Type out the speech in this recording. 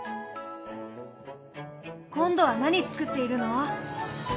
今度は何作っているの？